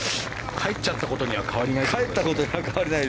帰っちゃったことには変わりないですけどね。